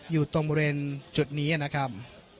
อยู่ตรงบริเวณจุดนี้นะครับ